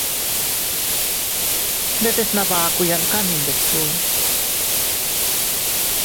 Ndetes nabakuyan kanni ndiku.